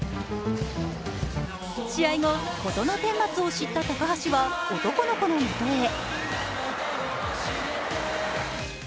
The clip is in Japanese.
試合後、ことのてんまつを知った高橋は男の子のもとへ。